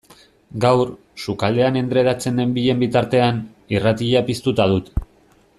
Gaur, sukaldean endredatzen nenbilen bitartean, irratia piztuta dut.